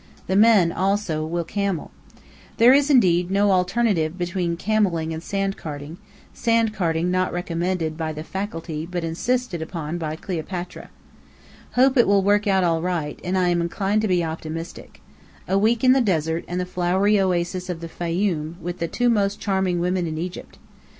The men, also, will camel. There is, indeed, no alternative between camelling and sandcarting sandcarting not recommended by the faculty but insisted upon by Cleopatra. Hope it will work out all right; and am inclined to be optimistic. A week in the desert and the flowery oasis of the Fayum, with the two most charming women in Egypt!